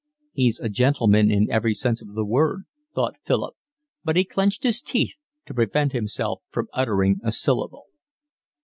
"He's a gentleman in every sense of the word," thought Philip, but he clenched his teeth to prevent himself from uttering a syllable.